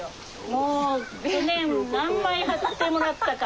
もう去年何枚張ってもらったか。